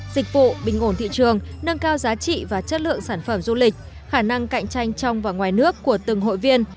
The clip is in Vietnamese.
dịch vụ bình ổn thị trường nâng cao giá trị và chất lượng sản phẩm du lịch khả năng cạnh tranh trong và ngoài nước của từng hội viên